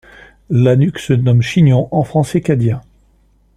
La nuque se nomme chignon en français cadien.